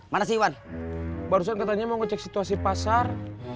mana siwan barusan katanya mau ngecek situasi pasar